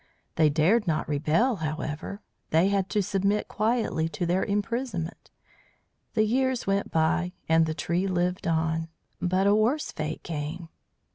They dared not rebel, however; they had to submit quietly to their imprisonment; the years went by and the tree lived on. But a worse fate came.